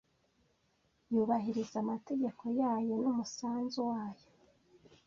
Yubahiriza amategeko yayo n,umusanzu wayo